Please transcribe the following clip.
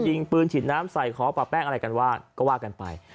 ยิงปืนฉีดน้ำใส่ขอปรับแป้งอะไรกันว่าก็ว่ากันไป